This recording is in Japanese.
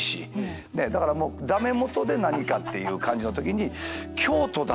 だから駄目もとで何かっていう感じのときに。